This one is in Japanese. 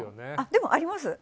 でも、あります。